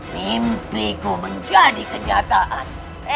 mimpiku menjadi kenyataan